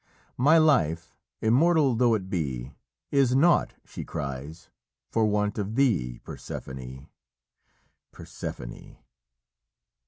'My life, immortal though it be, Is nought,' she cries, 'for want of thee, Persephone Persephone!'"